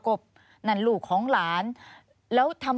ควิทยาลัยเชียร์สวัสดีครับ